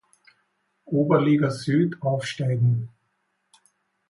Oberliga Süd aufsteigen.